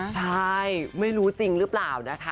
ใช่ไม่รู้จริงหรือเปล่านะคะ